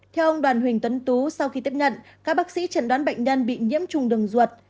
theo ông đoàn huỳnh tấn tú sau khi tiếp nhận các bác sĩ chẩn đoán bệnh nhân bị nhiễm trùng đường ruột